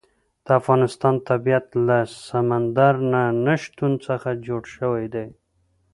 د افغانستان طبیعت له سمندر نه شتون څخه جوړ شوی دی.